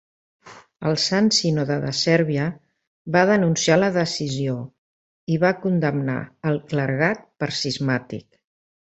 El Sant Sínode de Sèrbia va denunciar la decisió i va condemnar al clergat per cismàtic.